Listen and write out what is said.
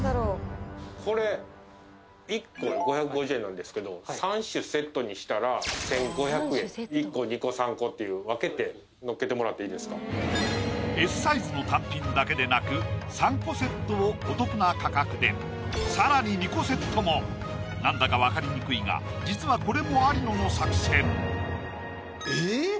これ１個５５０円なんですけど３種セットにしたら１５００円１個２個３個っていう分けて載っけてもらっていいですかＳサイズの単品だけでなく３個セットをお得な価格で更に２個セットも何だか分かりにくいが実はこれも有野の作戦え